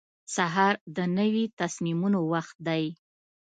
سهار د نوي تصمیمونو وخت دی.